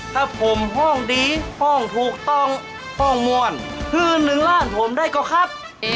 ถ้าผมห้องดีห้องถูกต้องห้องมวลคืนหนึ่งล้านผมได้ก็ครับ